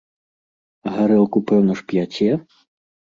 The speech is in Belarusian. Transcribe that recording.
А гарэлку пэўна ж п'яце?